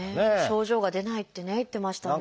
症状が出ないってね言ってましたね。